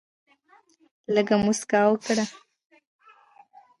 لږ مسکا وکړه.